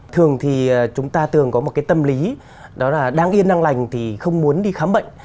thường thì chúng ta thường có một cái tâm lý đó là đang yên năng lành thì không muốn đi khám bệnh